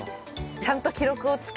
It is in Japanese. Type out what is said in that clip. ちゃんと記録をつけて。